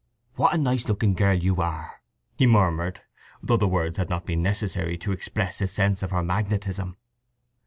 "What a nice looking girl you are!" he murmured, though the words had not been necessary to express his sense of her magnetism.